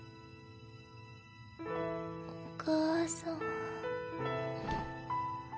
お母さん。